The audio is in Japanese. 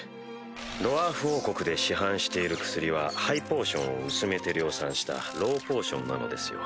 ドワーフ王国で市販している薬はハイポーションを薄めて量産したローポーションなのですよ。